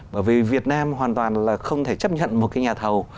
bởi vì việt nam hoàn toàn là không thể chấp nhận một cái nhà thầu